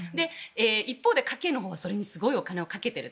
一方で、家計はそれにすごくお金をかけている。